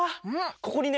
ここにね